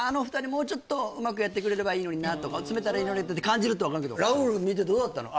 もうちょっとうまくやってくれればいいのになとか詰めたらいいのにって感じるって分かるけどラウール見てどうだったの？